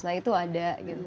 nah itu ada gitu